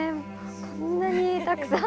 こんなにたくさん。